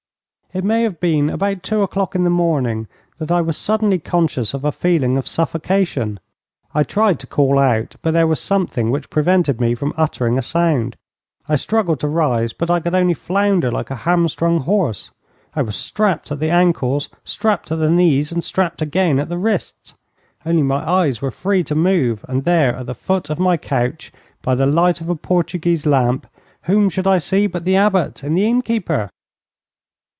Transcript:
It may have been about two o'clock in the morning that I was suddenly conscious of a feeling of suffocation. I tried to call out, but there was something which prevented me from uttering a sound. I struggled to rise, but I could only flounder like a hamstrung horse. I was strapped at the ankles, strapped at the knees, and strapped again at the wrists. Only my eyes were free to move, and there at the foot of my couch, by the light of a Portuguese lamp, whom should I see but the Abbot and the innkeeper!